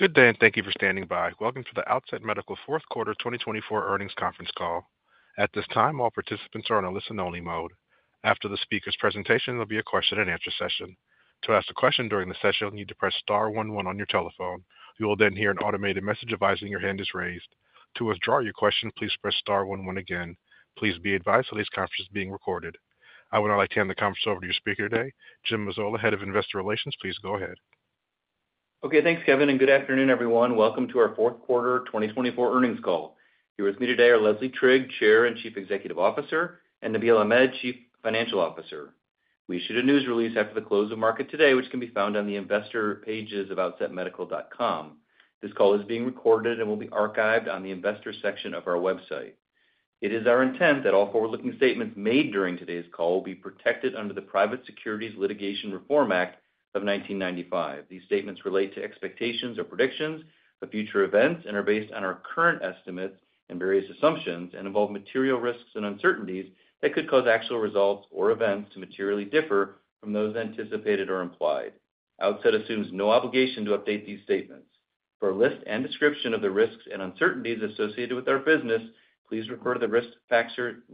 Good day, and thank you for standing by. Welcome to the Outset Medical fourth quarter 2024 earnings conference call. At this time, all participants are on a listen-only mode. After the speaker's presentation, there'll be a question-and-answer session. To ask a question during the session, you'll need to press star 11 on your telephone. You will then hear an automated message advising your hand is raised. To withdraw your question, please press star 11 again. Please be advised that this conference is being recorded. I would now like to hand the conference over to your speaker today, Jim Mazzola, Head of Investor Relations. Please go ahead. Okay, thanks, Kevin, and good afternoon, everyone. Welcome to our fourth quarter 2024 earnings call. Here with me today are Leslie Trigg, Chair and CEO, and Nabeel Ahmed, CFO. We issued a news release after the close of market today, which can be found on the investor pages of outsetmedical.com. This call is being recorded and will be archived on the investor section of our website. It is our intent that all forward-looking statements made during today's call will be protected under the Private Securities Litigation Reform Act of 1995. These statements relate to expectations or predictions of future events and are based on our current estimates and various assumptions and involve material risks and uncertainties that could cause actual results or events to materially differ from those anticipated or implied. Outset assumes no obligation to update these statements. For a list and description of the risks and uncertainties associated with our business, please refer to the risk factor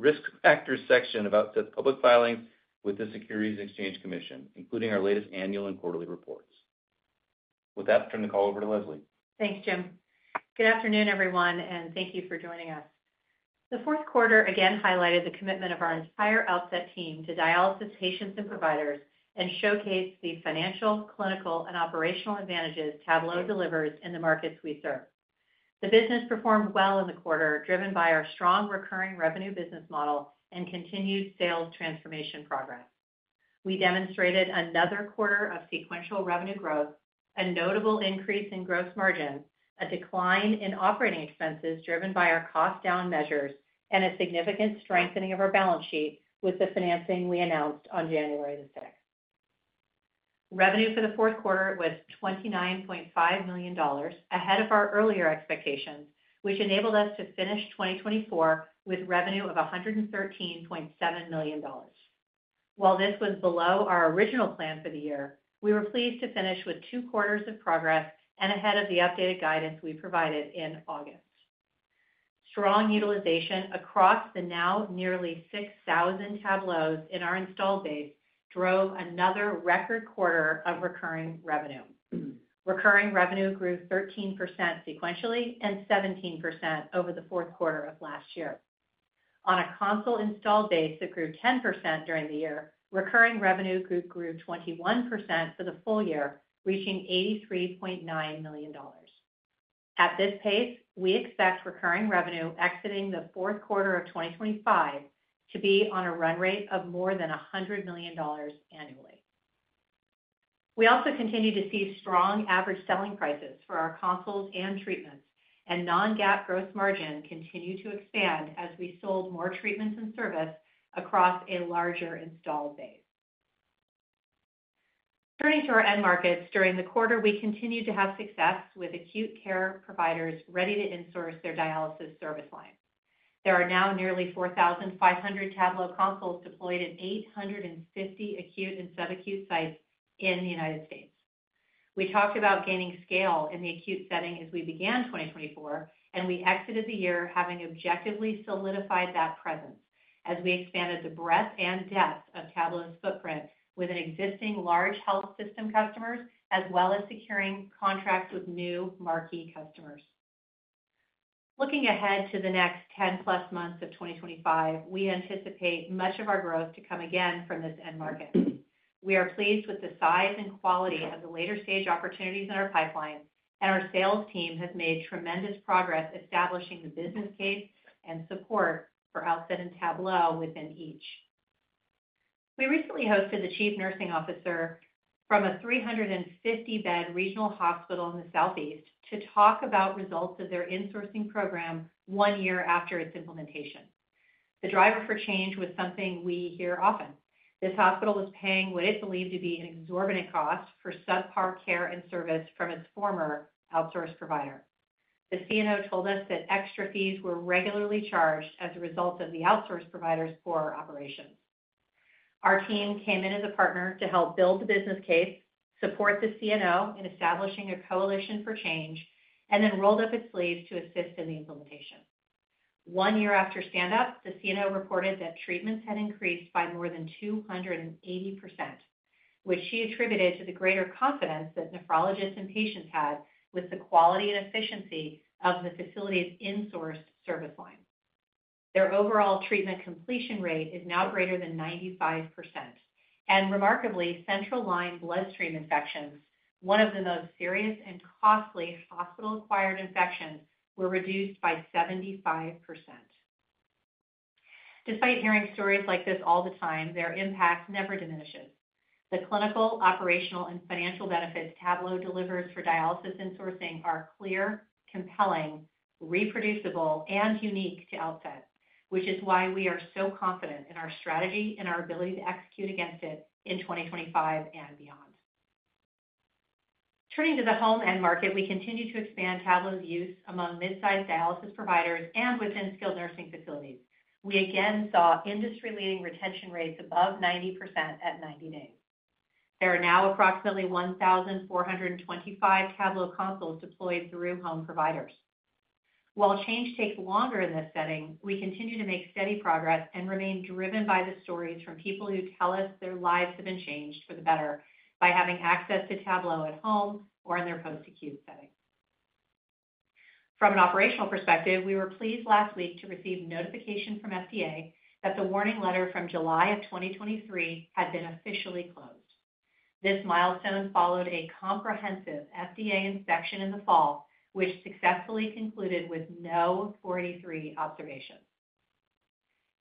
section of Outset's public filings with the Securities and Exchange Commission, including our latest annual and quarterly reports. With that, I'll turn the call over to Leslie. Thanks, Jim. Good afternoon, everyone, and thank you for joining us. The fourth quarter again highlighted the commitment of our entire Outset team to dialysis patients and providers and showcased the financial, clinical, and operational advantages Tablo delivers in the markets we serve. The business performed well in the quarter, driven by our strong recurring revenue business model and continued sales transformation progress. We demonstrated another quarter of sequential revenue growth, a notable increase in gross margins, a decline in operating expenses driven by our cost-down measures, and a significant strengthening of our balance sheet with the financing we announced on January the 6th. Revenue for the fourth quarter was $29.5 million ahead of our earlier expectations, which enabled us to finish 2024 with revenue of $113.7 million. While this was below our original plan for the year, we were pleased to finish with two quarters of progress and ahead of the updated guidance we provided in August. Strong utilization across the now nearly 6,000 Tablo's in our installed base drove another record quarter of recurring revenue. Recurring revenue grew 13% sequentially and 17% over the fourth quarter of last year. On a console installed base that grew 10% during the year, recurring revenue grew 21% for the full year, reaching $83.9 million. At this pace, we expect recurring revenue exiting the fourth quarter of 2025 to be on a run rate of more than $100 million annually. We also continue to see strong average selling prices for our consoles and treatments, and non-GAAP gross margin continued to expand as we sold more treatments and service across a larger installed base. Turning to our end markets, during the quarter, we continued to have success with acute care providers ready to insource their dialysis service line. There are now nearly 4,500 Tablo consoles deployed in 850 acute and subacute sites in the United States. We talked about gaining scale in the acute setting as we began 2024, and we exited the year having objectively solidified that presence as we expanded the breadth and depth of Tablo's footprint with existing large health system customers, as well as securing contracts with new marquee customers. Looking ahead to the next 10-plus months of 2025, we anticipate much of our growth to come again from this end market. We are pleased with the size and quality of the later-stage opportunities in our pipeline, and our sales team has made tremendous progress establishing the business case and support for Outset and Tablo within each. We recently hosted the Chief Nursing Officer from a 350-bed regional hospital in the Southeast to talk about results of their insourcing program one year after its implementation. The driver for change was something we hear often. This hospital was paying what it believed to be an exorbitant cost for subpar care and service from its former outsourced provider. The CNO told us that extra fees were regularly charged as a result of the outsourced provider's poor operations. Our team came in as a partner to help build the business case, support the CNO in establishing a coalition for change, and then rolled up its sleeves to assist in the implementation. One year after stand-up, the CNO reported that treatments had increased by more than 280%, which she attributed to the greater confidence that nephrologists and patients had with the quality and efficiency of the facility's insourced service line. Their overall treatment completion rate is now greater than 95%, and remarkably, central line bloodstream infections, one of the most serious and costly hospital-acquired infections, were reduced by 75%. Despite hearing stories like this all the time, their impact never diminishes. The clinical, operational, and financial benefits Tablo delivers for dialysis insourcing are clear, compelling, reproducible, and unique to Outset, which is why we are so confident in our strategy and our ability to execute against it in 2025 and beyond. Turning to the home end market, we continue to expand Tablo's use among mid-size dialysis providers and within skilled nursing facilities. We again saw industry-leading retention rates above 90% at 90 days. There are now approximately 1,425 Tablo consoles deployed through home providers. While change takes longer in this setting, we continue to make steady progress and remain driven by the stories from people who tell us their lives have been changed for the better by having access to Tablo at home or in their post-acute setting. From an operational perspective, we were pleased last week to receive notification from the FDA that the warning letter from July of 2023 had been officially closed. This milestone followed a comprehensive FDA inspection in the fall, which successfully concluded with no 483 observations.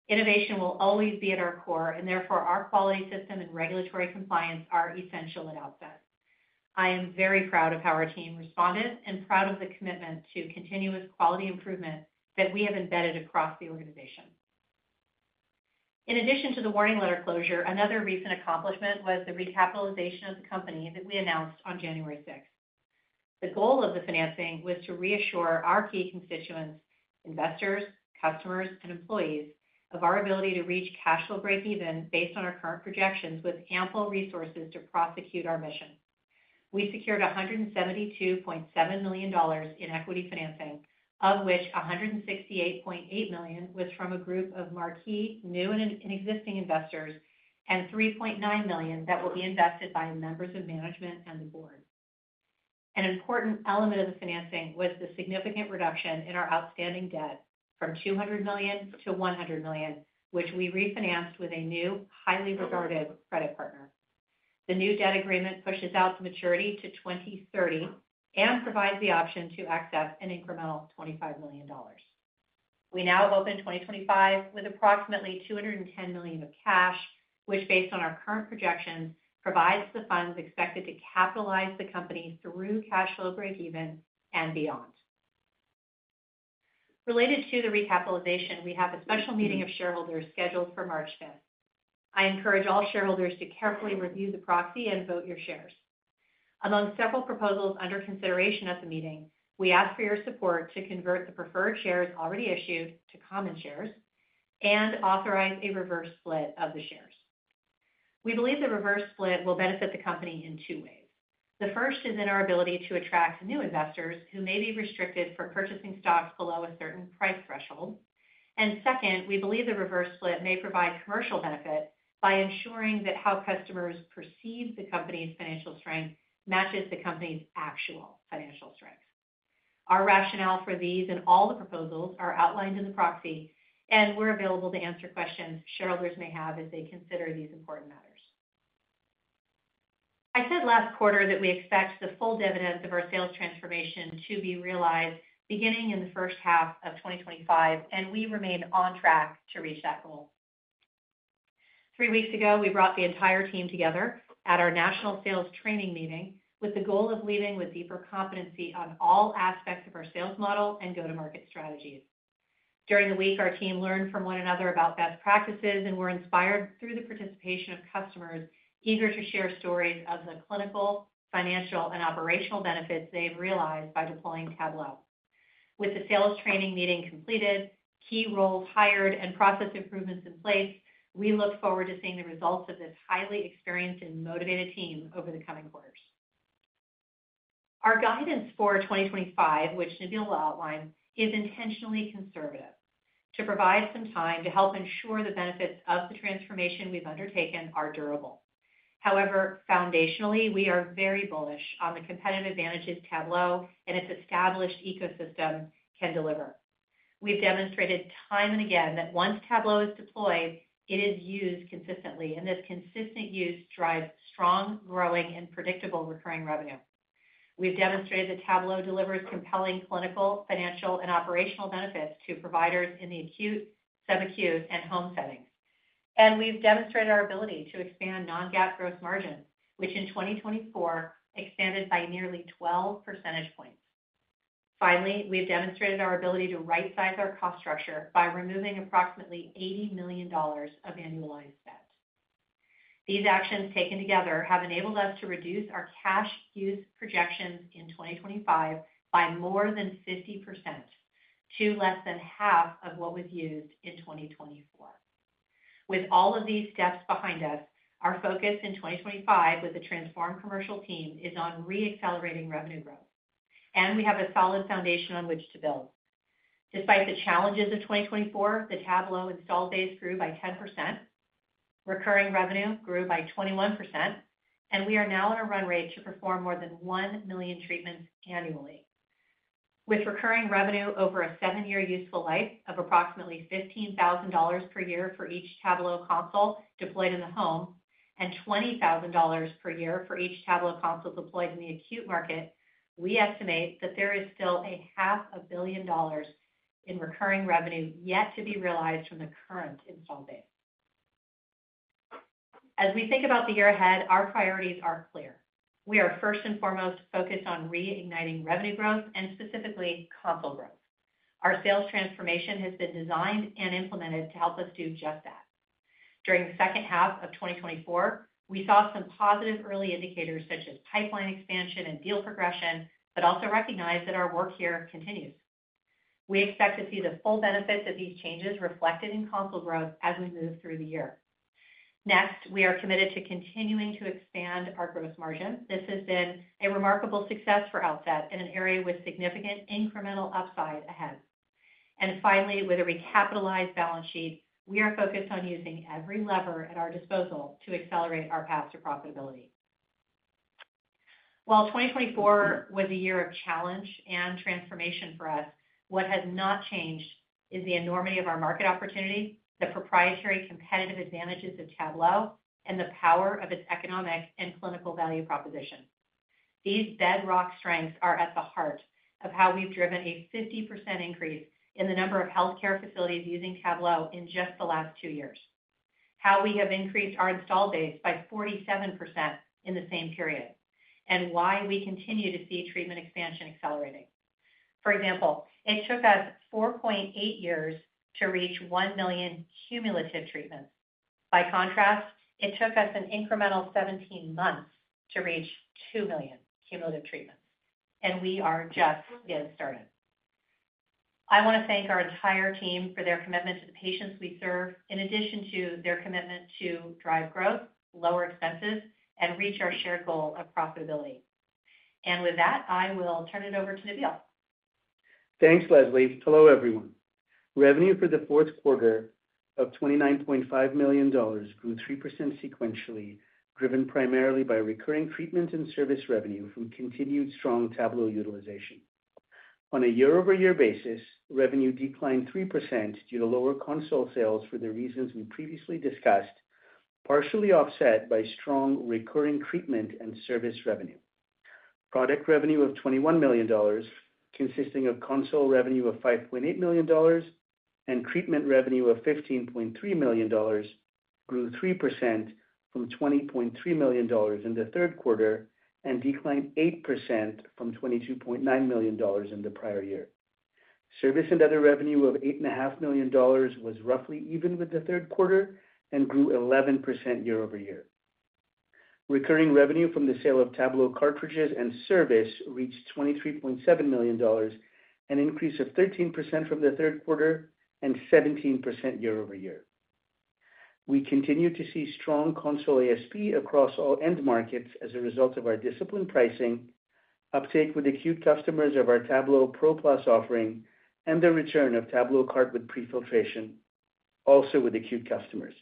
Innovation will always be at our core, and therefore our quality system and regulatory compliance are essential at Outset. I am very proud of how our team responded and proud of the commitment to continuous quality improvement that we have embedded across the organization. In addition to the warning letter closure, another recent accomplishment was the recapitalization of the company that we announced on January 6th. The goal of the financing was to reassure our key constituents, investors, customers, and employees of our ability to reach cash flow breakeven based on our current projections with ample resources to prosecute our mission. We secured $172.7 million in equity financing, of which $168.8 million was from a group of marquee, new, and existing investors, and $3.9 million that will be invested by members of management and the board. An important element of the financing was the significant reduction in our outstanding debt from $200 million-$100 million, which we refinanced with a new, highly regarded credit partner. The new debt agreement pushes out the maturity to 2030 and provides the option to access an incremental $25 million. We now open 2025 with approximately $210 million of cash, which, based on our current projections, provides the funds expected to capitalize the company through cash flow breakeven and beyond. Related to the recapitalization, we have a special meeting of shareholders scheduled for March 5th. I encourage all shareholders to carefully review the proxy and vote your shares. Among several proposals under consideration at the meeting, we ask for your support to convert the preferred shares already issued to common shares and authorize a reverse split of the shares. We believe the reverse split will benefit the company in two ways. The first is in our ability to attract new investors who may be restricted from purchasing stocks below a certain price threshold. Second, we believe the reverse split may provide commercial benefit by ensuring that how customers perceive the company's financial strength matches the company's actual financial strength. Our rationale for these and all the proposals are outlined in the proxy, and we're available to answer questions shareholders may have as they consider these important matters. I said last quarter that we expect the full dividends of our sales transformation to be realized beginning in the first half of 2025, and we remain on track to reach that goal. Three weeks ago, we brought the entire team together at our national sales training meeting with the goal of leaving with deeper competency on all aspects of our sales model and go-to-market strategies. During the week, our team learned from one another about best practices and were inspired through the participation of customers eager to share stories of the clinical, financial, and operational benefits they've realized by deploying Tablo. With the sales training meeting completed, key roles hired, and process improvements in place, we look forward to seeing the results of this highly experienced and motivated team over the coming quarters. Our guidance for 2025, which Nabeel will outline, is intentionally conservative to provide some time to help ensure the benefits of the transformation we've undertaken are durable. However, foundationally, we are very bullish on the competitive advantages Tablo and its established ecosystem can deliver. We've demonstrated time and again that once Tablo is deployed, it is used consistently, and this consistent use drives strong, growing, and predictable recurring revenue. We've demonstrated that Tablo delivers compelling clinical, financial, and operational benefits to providers in the acute, subacute, and home settings. We've demonstrated our ability to expand non-GAAP gross margin, which in 2024 expanded by nearly 12 percentage points. Finally, we've demonstrated our ability to right-size our cost structure by removing approximately $80 million of annualized debt. These actions taken together have enabled us to reduce our cash use projections in 2025 by more than 50% to less than half of what was used in 2024. With all of these steps behind us, our focus in 2025 with the transformed commercial team is on re-accelerating revenue growth, and we have a solid foundation on which to build. Despite the challenges of 2024, the Tablo installed base grew by 10%, recurring revenue grew by 21%, and we are now on a run rate to perform more than 1 million treatments annually. With recurring revenue over a seven-year useful life of approximately $15,000 per year for each Tablo console deployed in the home and $20,000 per year for each Tablo console deployed in the acute market, we estimate that there is still $500,000,000 in recurring revenue yet to be realized from the current installed base. As we think about the year ahead, our priorities are clear. We are first and foremost focused on re-igniting revenue growth and specifically console growth. Our sales transformation has been designed and implemented to help us do just that. During the second half of 2024, we saw some positive early indicators such as pipeline expansion and deal progression, but also recognized that our work here continues. We expect to see the full benefits of these changes reflected in console growth as we move through the year. Next, we are committed to continuing to expand our gross margin. This has been a remarkable success for Outset in an area with significant incremental upside ahead. Finally, with a recapitalized balance sheet, we are focused on using every lever at our disposal to accelerate our path to profitability. While 2024 was a year of challenge and transformation for us, what has not changed is the enormity of our market opportunity, the proprietary competitive advantages of Tablo, and the power of its economic and clinical value proposition. These bedrock strengths are at the heart of how we've driven a 50% increase in the number of healthcare facilities using Tablo in just the last two years, how we have increased our installed base by 47% in the same period, and why we continue to see treatment expansion accelerating. For example, it took us 4.8 years to reach one million cumulative treatments. By contrast, it took us an incremental 17 months to reach two million cumulative treatments, and we are just getting started. I want to thank our entire team for their commitment to the patients we serve, in addition to their commitment to drive growth, lower expenses, and reach our shared goal of profitability. I will turn it over to Nabeel. Thanks, Leslie. Hello, everyone. Revenue for the fourth quarter of $29.5 million grew 3% sequentially, driven primarily by recurring treatment and service revenue from continued strong Tablo utilization. On a year-over-year basis, revenue declined 3% due to lower console sales for the reasons we previously discussed, partially offset by strong recurring treatment and service revenue. Product revenue of $21 million, consisting of console revenue of $5.8 million and treatment revenue of $15.3 million, grew 3% from $20.3 million in the third quarter and declined 8% from $22.9 million in the prior year. Service and other revenue of $8.5 million was roughly even with the third quarter and grew 11% year-over-year. Recurring revenue from the sale of Tablo cartridges and service reached $23.7 million, an increase of 13% from the third quarter and 17% year-over-year. We continue to see strong console ASP across all end markets as a result of our disciplined pricing, uptake with acute customers of our Tablo Pro Plus offering, and the return of TabloCart with Prefiltration, also with acute customers.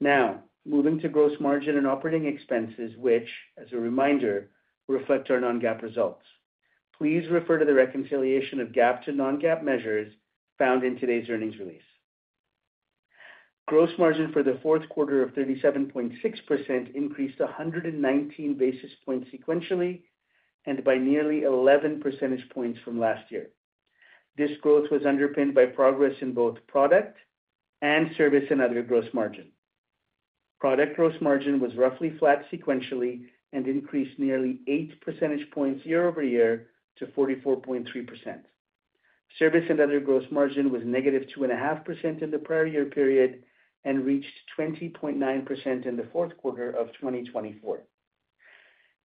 Now, moving to gross margin and operating expenses, which, as a reminder, reflect our non-GAAP results. Please refer to the reconciliation of GAAP to non-GAAP measures found in today's earnings release. Gross margin for the fourth quarter of 37.6% increased 119 basis points sequentially and by nearly 11 percentage points from last year. This growth was underpinned by progress in both product and service and other gross margin. Product gross margin was roughly flat sequentially and increased nearly 8 percentage points year-over-year to 44.3%. Service and other gross margin was negative 2.5% in the prior year period and reached 20.9% in the fourth quarter of 2024.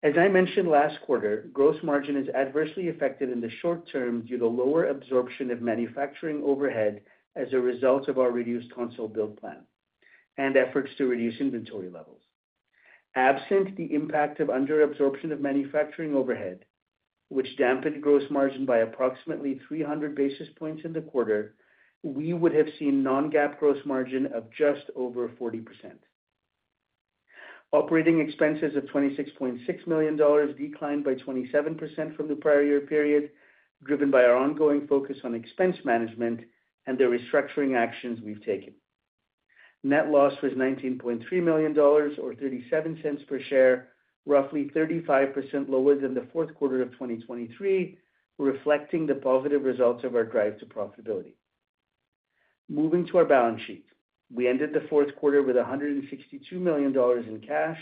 As I mentioned last quarter, gross margin is adversely affected in the short term due to lower absorption of manufacturing overhead as a result of our reduced console build plan and efforts to reduce inventory levels. Absent the impact of under-absorption of manufacturing overhead, which dampened gross margin by approximately 300 basis points in the quarter, we would have seen non-GAAP gross margin of just over 40%. Operating expenses of $26.6 million declined by 27% from the prior year period, driven by our ongoing focus on expense management and the restructuring actions we've taken. Net loss was $19.3 million, or $0.37 per share, roughly 35% lower than the fourth quarter of 2023, reflecting the positive results of our drive to profitability. Moving to our balance sheet, we ended the fourth quarter with $162 million in cash,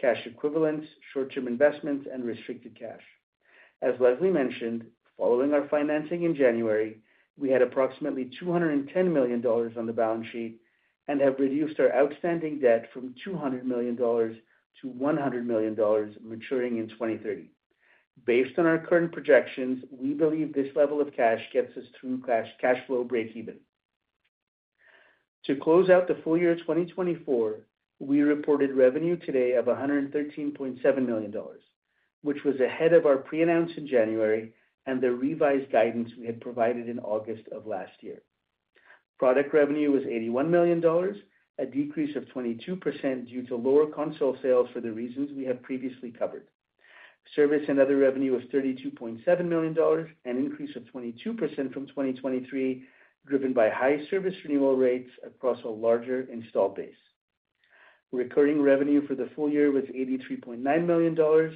cash equivalents, short-term investments, and restricted cash. As Leslie mentioned, following our financing in January, we had approximately $210 million on the balance sheet and have reduced our outstanding debt from $200 million-$100 million maturing in 2030. Based on our current projections, we believe this level of cash gets us through cash flow breakeven. To close out the full year of 2024, we reported revenue today of $113.7 million, which was ahead of our pre-announced in January and the revised guidance we had provided in August of last year. Product revenue was $81 million, a decrease of 22% due to lower console sales for the reasons we have previously covered. Service and other revenue was $32.7 million, an increase of 22% from 2023, driven by high service renewal rates across a larger installed base. Recurring revenue for the full year was $83.9 million,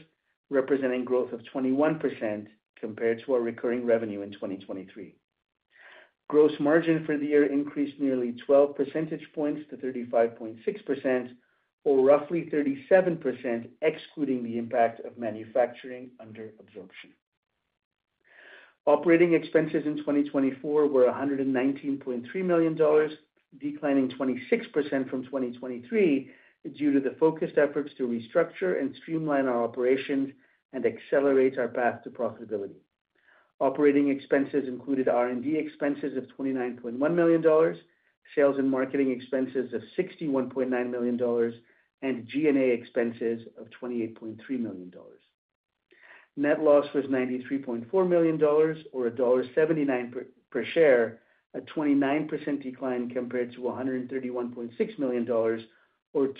representing growth of 21% compared to our recurring revenue in 2023. Gross margin for the year increased nearly 12 percentage points to 35.6%, or roughly 37% excluding the impact of manufacturing under absorption. Operating expenses in 2024 were $119.3 million, declining 26% from 2023 due to the focused efforts to restructure and streamline our operations and accelerate our path to profitability. Operating expenses included R&D expenses of $29.1 million, sales and marketing expenses of $61.9 million, and G&A expenses of $28.3 million. Net loss was $93.4 million, or $1.79 per share, a 29% decline compared to $131.6 million, or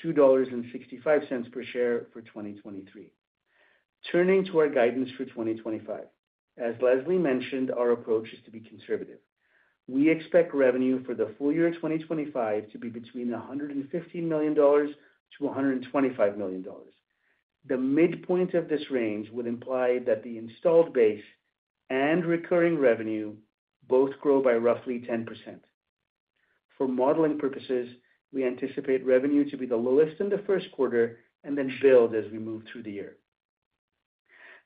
$2.65 per share for 2023. Turning to our guidance for 2025, as Leslie mentioned, our approach is to be conservative. We expect revenue for the full year of 2025 to be between $115 million-$125 million. The midpoint of this range would imply that the installed base and recurring revenue both grow by roughly 10%. For modeling purposes, we anticipate revenue to be the lowest in the first quarter and then build as we move through the year.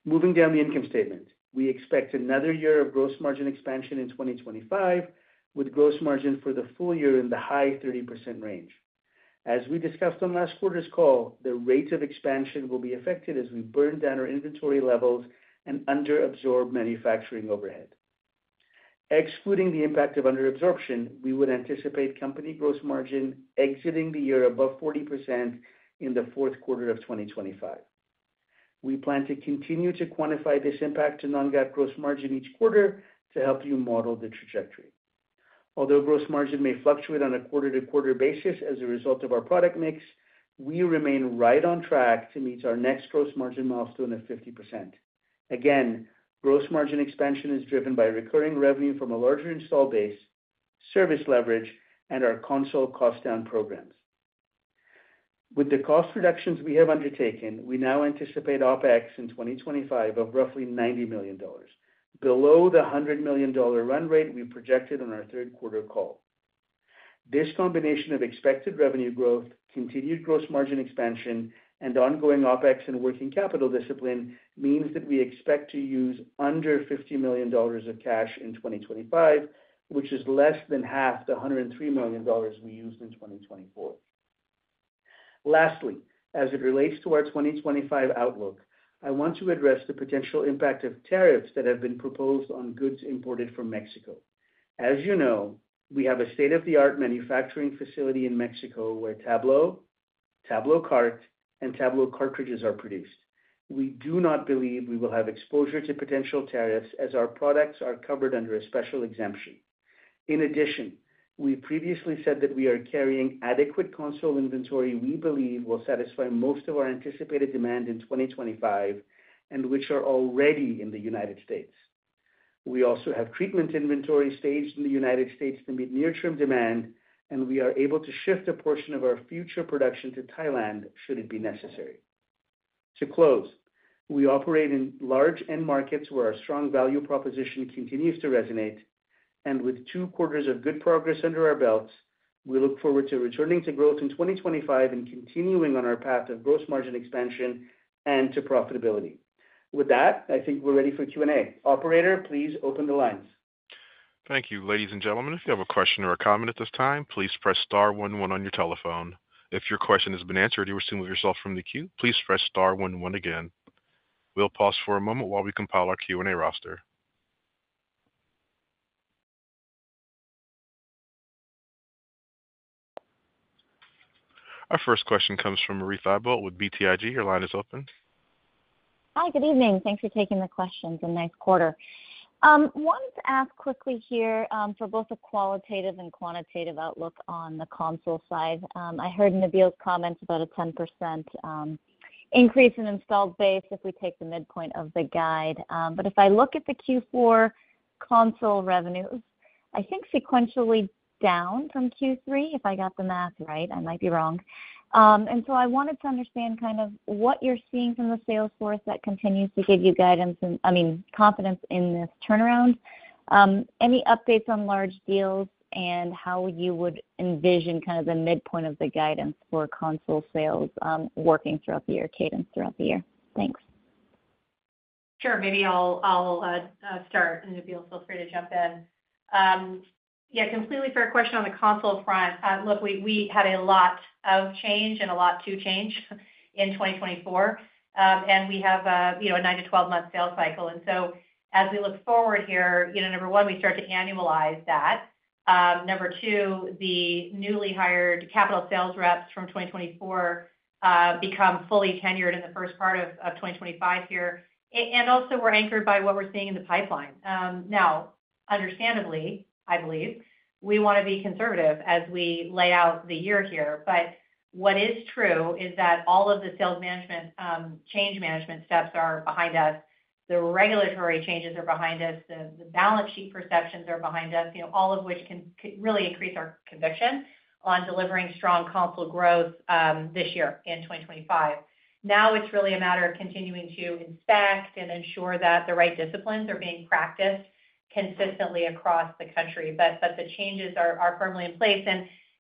Moving down the income statement, we expect another year of gross margin expansion in 2025, with gross margin for the full year in the high 30% range. As we discussed on last quarter's call, the rate of expansion will be affected as we burn down our inventory levels and under-absorb manufacturing overhead. Excluding the impact of under-absorption, we would anticipate company gross margin exiting the year above 40% in the fourth quarter of 2025. We plan to continue to quantify this impact to non-GAAP gross margin each quarter to help you model the trajectory. Although gross margin may fluctuate on a quarter-to-quarter basis as a result of our product mix, we remain right on track to meet our next gross margin milestone of 50%. Again, gross margin expansion is driven by recurring revenue from a larger installed base, service leverage, and our console cost-down programs. With the cost reductions we have undertaken, we now anticipate OpEx in 2025 of roughly $90 million, below the $100 million run rate we projected on our third quarter call. This combination of expected revenue growth, continued gross margin expansion, and ongoing OpEx and working capital discipline means that we expect to use under $50 million of cash in 2025, which is less than half the $103 million we used in 2024. Lastly, as it relates to our 2025 outlook, I want to address the potential impact of tariffs that have been proposed on goods imported from Mexico. As you know, we have a state-of-the-art manufacturing facility in Mexico where Tablo, TabloCart, and Tablo Cartridges are produced. We do not believe we will have exposure to potential tariffs as our products are covered under a special exemption. In addition, we previously said that we are carrying adequate console inventory we believe will satisfy most of our anticipated demand in 2025 and which are already in the United States. We also have treatment inventory staged in the United States to meet near-term demand, and we are able to shift a portion of our future production to Thailand should it be necessary. To close, we operate in large end markets where our strong value proposition continues to resonate, and with two quarters of good progress under our belts, we look forward to returning to growth in 2025 and continuing on our path of gross margin expansion and to profitability. With that, I think we're ready for Q&A. Operator, please open the lines. Thank you. Ladies and gentlemen, if you have a question or a comment at this time, please press star 11 on your telephone. If your question has been answered or you wish to move yourself from the queue, please press star 11 again. We'll pause for a moment while we compile our Q&A roster. Our first question comes from Marie Thibault with BTIG. Your line is open. Hi, good evening. Thanks for taking the question. It's a nice quarter. I wanted to ask quickly here for both a qualitative and quantitative outlook on the console side. I heard Nabeel's comments about a 10% increase in installed base if we take the midpoint of the guide. If I look at the Q4 console revenues, I think sequentially down from Q3, if I got the math right. I might be wrong. I wanted to understand kind of what you're seeing from the sales force that continues to give you guidance and, I mean, confidence in this turnaround. Any updates on large deals and how you would envision kind of the midpoint of the guidance for console sales working throughout the year, cadence throughout the year? Thanks. Sure. Maybe I'll start, and Nabeel feel free to jump in. Yeah, completely fair question on the console front. Look, we had a lot of change and a lot to change in 2024, and we have a nine to 12 month sales cycle. As we look forward here, number one, we start to annualize that. Number two, the newly hired capital sales reps from 2024 become fully tenured in the first part of 2025 here. Also, we're anchored by what we're seeing in the pipeline. Now, understandably, I believe we want to be conservative as we lay out the year here. What is true is that all of the sales management change management steps are behind us. The regulatory changes are behind us. The balance sheet perceptions are behind us, all of which can really increase our conviction on delivering strong console growth this year in 2025. Now, it's really a matter of continuing to inspect and ensure that the right disciplines are being practiced consistently across the country. The changes are firmly in place,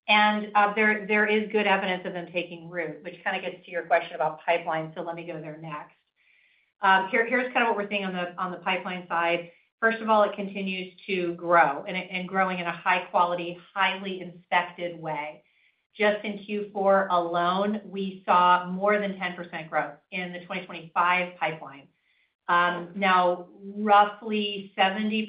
and there is good evidence of them taking root, which kind of gets to your question about pipeline. Let me go there next. Here's kind of what we're seeing on the pipeline side. First of all, it continues to grow and growing in a high-quality, highly inspected way. Just in Q4 alone, we saw more than 10% growth in the 2025 pipeline. Now, roughly 70%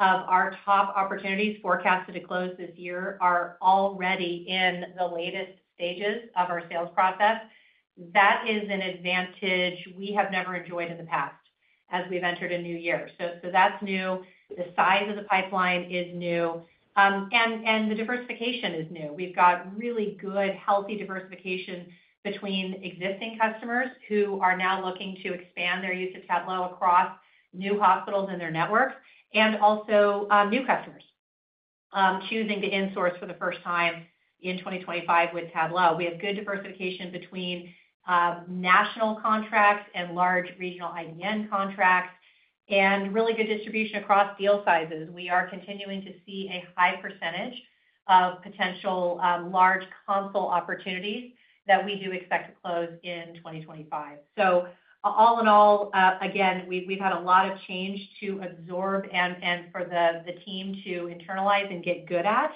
of our top opportunities forecasted to close this year are already in the latest stages of our sales process. That is an advantage we have never enjoyed in the past as we've entered a new year. That's new. The size of the pipeline is new, and the diversification is new. We've got really good, healthy diversification between existing customers who are now looking to expand their use of Tablo across new hospitals in their networks and also new customers choosing to insource for the first time in 2025 with Tablo. We have good diversification between national contracts and large regional IDN contracts and really good distribution across deal sizes. We are continuing to see a high percentage of potential large console opportunities that we do expect to close in 2025. All in all, again, we've had a lot of change to absorb and for the team to internalize and get good at.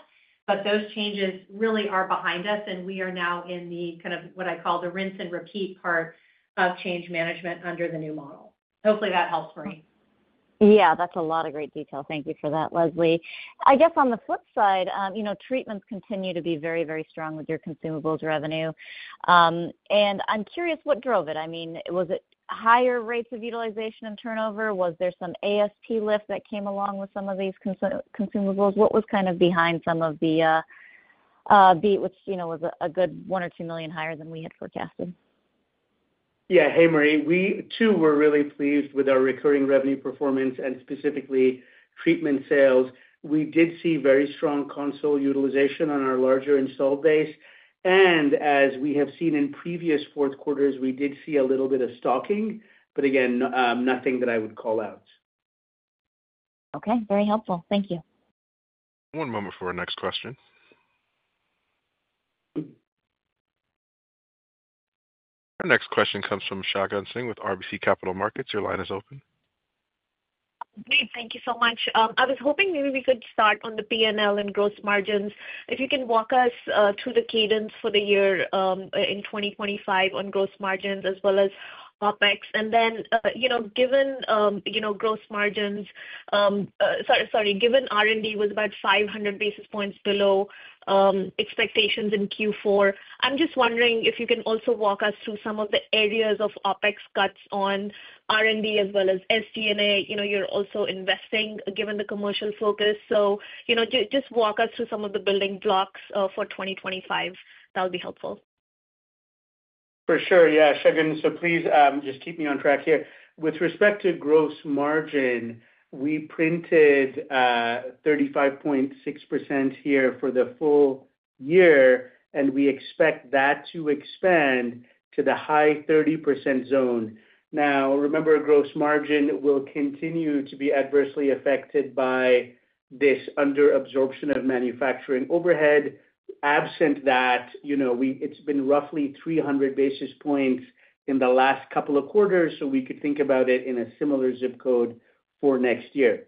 Those changes really are behind us, and we are now in the kind of what I call the rinse and repeat part of change management under the new model. Hopefully, that helps, Marie. Yeah, that's a lot of great detail. Thank you for that, Leslie. I guess on the flip side, treatments continue to be very, very strong with your consumables revenue. I mean, was it higher rates of utilization and turnover? Was there some ASP lift that came along with some of these consumables? What was kind of behind some of the beat, which was a good one or two million higher than we had forecasted? Yeah, hey, Marie. We too were really pleased with our recurring revenue performance and specifically treatment sales. We did see very strong console utilization on our larger installed base. As we have seen in previous fourth quarters, we did see a little bit of stocking, but again, nothing that I would call out. Okay. Very helpful. Thank you. One moment for our next question. Our next question comes from Shagun Singh with RBC Capital Markets. Your line is open. Great. Thank you so much. I was hoping maybe we could start on the P&L and gross margins. If you can walk us through the cadence for the year in 2025 on gross margins as well as OpEx. Given gross margins—sorry, sorry—given R&D was about 500 basis points below expectations in Q4, I'm just wondering if you can also walk us through some of the areas of OpEx cuts on R&D as well as SG&A. You're also investing given the commercial focus. Just walk us through some of the building blocks for 2025. That'll be helpful. For sure. Yeah. Shagun Singh, so please just keep me on track here. With respect to gross margin, we printed 35.6% here for the full year, and we expect that to expand to the high 30% zone. Now, remember, gross margin will continue to be adversely affected by this under-absorption of manufacturing overhead. Absent that, it has been roughly 300 basis points in the last couple of quarters, so we could think about it in a similar zip code for next year.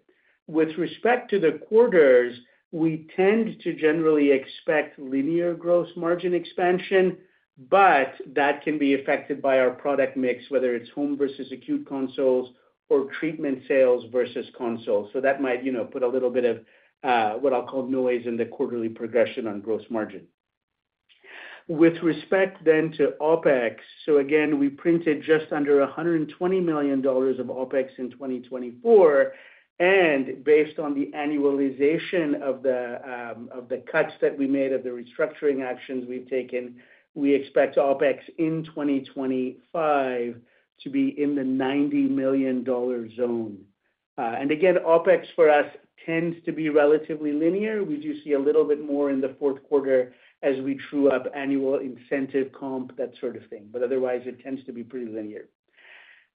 With respect to the quarters, we tend to generally expect linear gross margin expansion, but that can be affected by our product mix, whether it is home versus acute consoles or treatment sales versus consoles. That might put a little bit of what I will call noise in the quarterly progression on gross margin. With respect then to OpEx, again, we printed just under $120 million of OpEx in 2024. Based on the annualization of the cuts that we made of the restructuring actions we have taken, we expect OpEx in 2025 to be in the $90 million zone. OpEx for us tends to be relatively linear. We do see a little bit more in the fourth quarter as we true up annual incentive comp, that sort of thing. Otherwise, it tends to be pretty linear.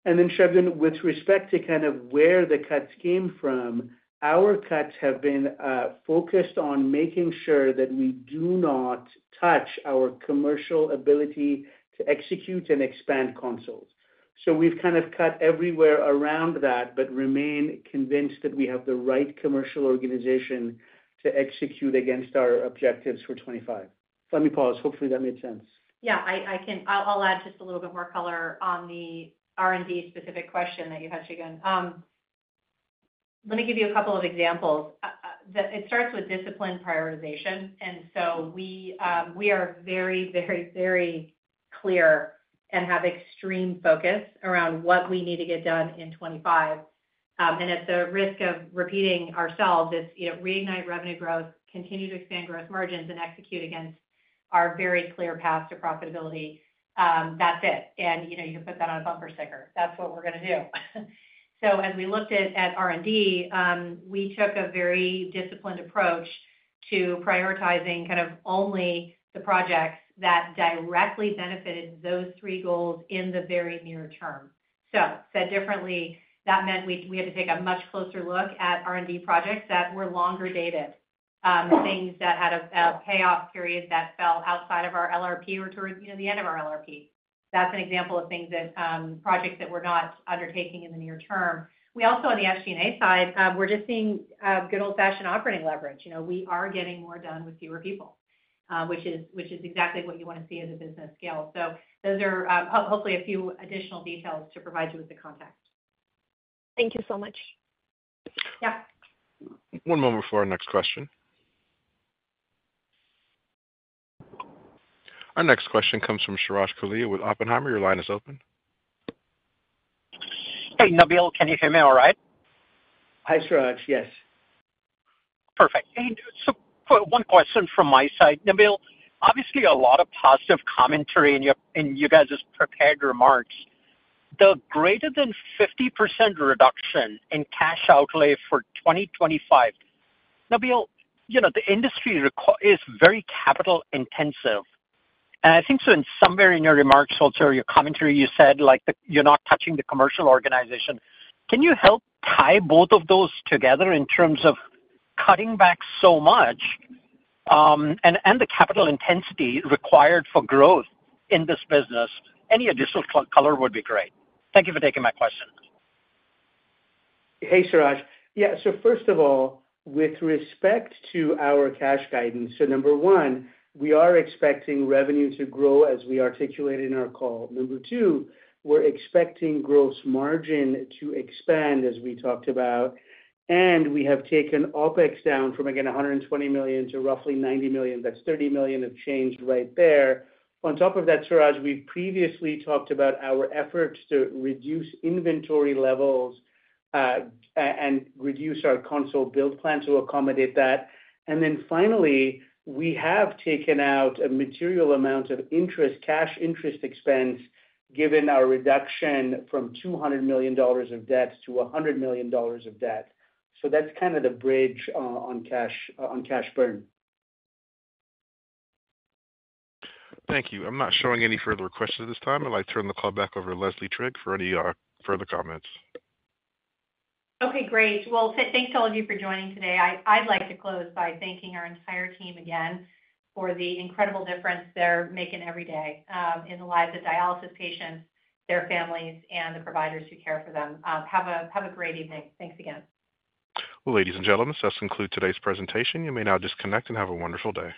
Shagun Singh, with respect to kind of where the cuts came from, our cuts have been focused on making sure that we do not touch our commercial ability to execute and expand consoles. We have kind of cut everywhere around that, but remain convinced that we have the right commercial organization to execute against our objectives for 2025. Let me pause. Hopefully, that made sense. Yeah, I'll add just a little bit more color on the R&D specific question that you had, Shagun Singh. Let me give you a couple of examples. It starts with discipline prioritization. We are very, very, very clear and have extreme focus around what we need to get done in 2025. At the risk of repeating ourselves, it's reignite revenue growth, continue to expand gross margins, and execute against our very clear path to profitability. That's it. You can put that on a bumper sticker. That's what we're going to do. As we looked at R&D, we took a very disciplined approach to prioritizing kind of only the projects that directly benefited those three goals in the very near term. Said differently, that meant we had to take a much closer look at R&D projects that were longer dated, things that had a payoff period that fell outside of our LRP or towards the end of our LRP. That is an example of things that projects that we are not undertaking in the near term. We also, on the SG&A side, are just seeing good old-fashioned operating leverage. We are getting more done with fewer people, which is exactly what you want to see as a business scale. Those are hopefully a few additional details to provide you with the context. Thank you so much. Yeah. One moment for our next question. Our next question comes from Suraj Kalia with Oppenheimer. Your line is open. Hey, Nabeel, can you hear me all right? Hi, Suraj. Yes. Perfect. Hey, one question from my side. Nabeel, obviously, a lot of positive commentary in your guys' prepared remarks. The greater than 50% reduction in cash outlay for 2025, Nabeel, the industry is very capital-intensive. I think in some way in your remarks also, your commentary, you said you're not touching the commercial organization. Can you help tie both of those together in terms of cutting back so much and the capital intensity required for growth in this business? Any additional color would be great. Thank you for taking my question. Hey, Suraj. Yeah. First of all, with respect to our cash guidance, number one, we are expecting revenue to grow as we articulated in our call. Number two, we're expecting gross margin to expand as we talked about. We have taken OpEx down from, again, $120 million to roughly $90 million. That's $30 million of change right there. On top of that, Suraj, we've previously talked about our efforts to reduce inventory levels and reduce our console build plan to accommodate that. Finally, we have taken out a material amount of cash interest expense given our reduction from $200 million of debt to $100 million of debt. That's kind of the bridge on cash burn. Thank you. I'm not showing any further questions at this time. I'd like to turn the call back over to Leslie Trigg for any further comments. Okay. Great. Thanks to all of you for joining today. I'd like to close by thanking our entire team again for the incredible difference they're making every day in the lives of dialysis patients, their families, and the providers who care for them. Have a great evening. Thanks again. Ladies and gentlemen, that concludes today's presentation. You may now disconnect and have a wonderful day.